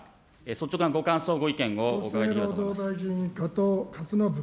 率直なご感想、ご意見をお伺いできればと思います。